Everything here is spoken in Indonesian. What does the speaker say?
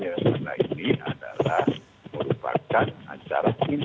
jadi itu bukan kampanye